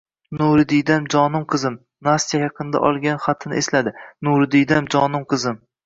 “Nuridiydam, jonim qizim… – Nastya yaqinda olgan xatini esladi. – Nuridiydam, jonim qizim!”